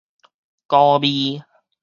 孤味